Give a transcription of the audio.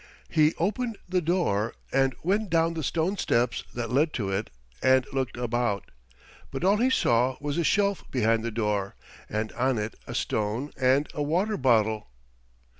He opened the door and went down the stone steps that led to it and looked about, but all he saw was a shelf behind the door, and on it a stone and a water bottle.